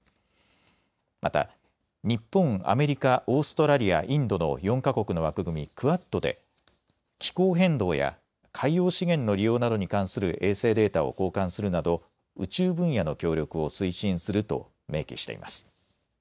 また日本、アメリカ、オーストラリア、インドの４か国の枠組み、クアッドで気候変動や海洋資源の利用などに関する衛星データを交換するなど宇宙分野の協力を推進すると明記しています。